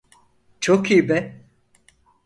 Çok iyi be.